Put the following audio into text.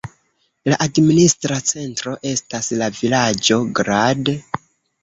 La administra centro estas la vilaĝo Grad.